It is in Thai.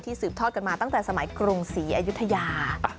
สืบทอดกันมาตั้งแต่สมัยกรุงศรีอยุธยา